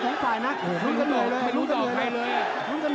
ตอนนี้มันถึง๓